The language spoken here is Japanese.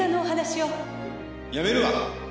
やめるわ。